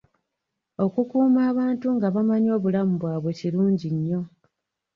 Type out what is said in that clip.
Okukuuma abantu nga bamanyi obulamu bwabwe kirungi nnyo.